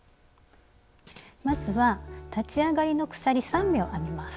まずは立ち上がりの鎖３目を編みます。